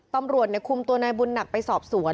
ตำรวจคุมตัวนายบุญหนักไปสอบสวน